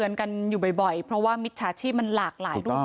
โดยที่กู้เงินไม่ได้เงินแต่เราจะโอนเงินให้โดนหลอกจริง